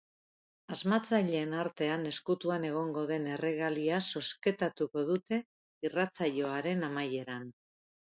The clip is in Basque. Asmatzaileen artean ezkutuan egongo den erregalia zozketatuko dute irratsaioaren amaieran.